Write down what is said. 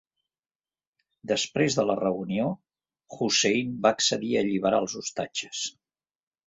Després de la reunió, Hussein va accedir a alliberar els ostatges.